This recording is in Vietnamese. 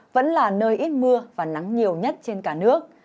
vẫn là nơi ít mưa và nắng nhiều nhất trên cả nước